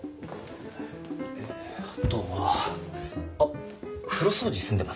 あとはあっ風呂掃除済んでます？